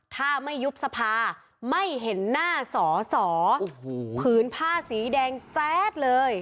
ถ้าไม่ยุบสภาไม่เห็นหน้าสอสอผืนผ้าสีแดงแจ๊ดเลย